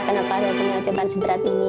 kenapa saya punya cobaan seberat ini